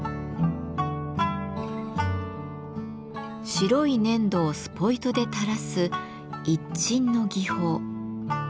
白い粘土をスポイトで垂らすイッチンの技法。